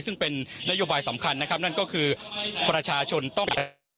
ซึ่งเป็นนโยบายสำคัญนะครับนั่นก็คือประชาชนต้อง